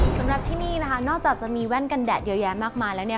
สำหรับที่นี่นะคะนอกจากจะมีแว่นกันแดดเยอะแยะมากมายแล้วเนี่ย